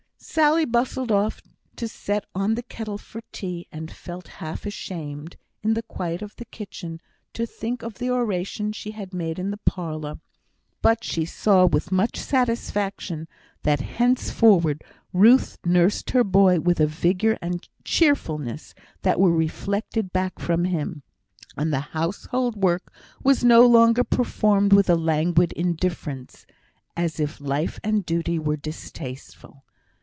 Sally bustled off to set on the kettle for tea, and felt half ashamed, in the quiet of the kitchen, to think of the oration she had made in the parlour. But she saw with much satisfaction, that henceforward Ruth nursed her boy with a vigour and cheerfulness that were reflected back from him; and the household work was no longer performed with a languid indifference, as if life and duty were distasteful.